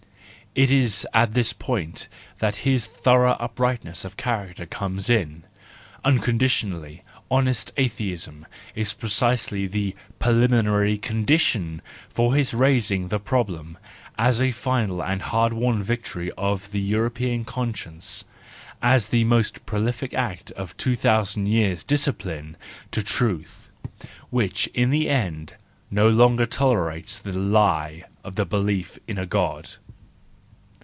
It is at this point that his thorough uprightness of character comes in : unconditional, honest atheism is precisely the preliminary condition for his raising the problem, as a final and hardwon victory of the European conscience, as the most prolific act of two thousand years' discipline to truth, which in the end no longer tolerates the lie of the belief in a God.